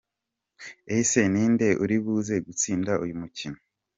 Ese ni inde uri buze gustinda uyu mukino?.